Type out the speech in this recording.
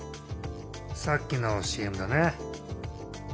さっきのＣＭだね。